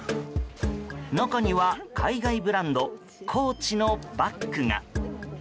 中には海外ブランドコーチのバッグが。